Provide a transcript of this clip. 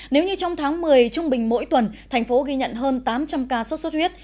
nếu như trong tháng một mươi trung bình mỗi tuần thành phố ghi nhận hơn tám trăm linh ca sốt xuất huyết